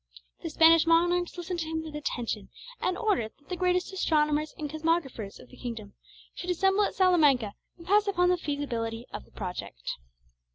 The Spanish monarchs listened to him with attention, and ordered that the greatest astronomers and cosmographers of the kingdom should assemble at Salamanca and pass upon the feasibility of the project.